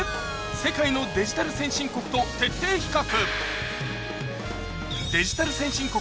世界のデジタル先進国と徹底比較